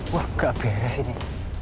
wah gak beres ini